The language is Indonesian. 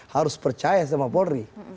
harus percaya sama polri